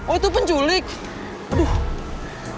oh itu penculik aduh